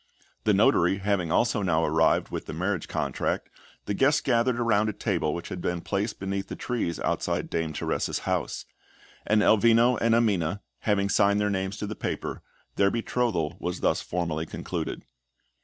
The Notary having also now arrived with the marriage contract, the guests gathered around a table which had been placed beneath the trees outside Dame Teresa's house; and Elvino and Amina, having signed their names to the paper, their betrothal was thus formally concluded.